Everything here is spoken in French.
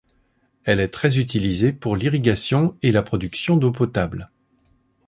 Elle est très utilisée pour l'irrigation et la production d'eau potable.